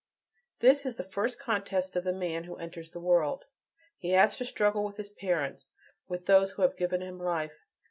This is the first contest of the man who enters the world: he has to struggle with his parents, with those who have given him life.